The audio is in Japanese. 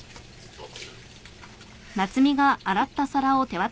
あっ。